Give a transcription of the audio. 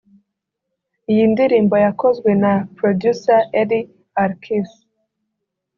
Iyi ndirimbo yakozwe na Producer Eli Arkhis